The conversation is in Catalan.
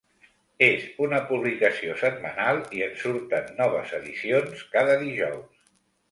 És una publicació setmanal i en surten noves edicions cada dijous.